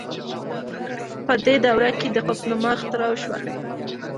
په دې دوره کې د قطب نماء اختراع وشوه.